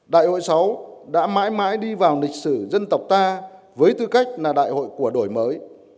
đại hội sáu đã mãi mãi đi vào lịch sử dân tộc ta với tư cách là đại hội của đổi mới